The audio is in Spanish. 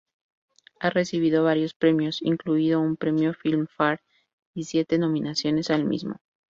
Ha recibido varios premios, incluido un premio Filmfare y siete nominaciones al mismo.